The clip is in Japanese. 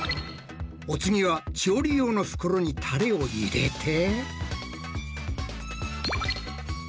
お次は調理用の袋にタレを入れて。